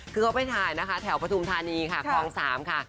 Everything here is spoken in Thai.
คือเขาไปถ่ายนะคะแถวปฐุมธานีค่ะคลอง๓ค่ะ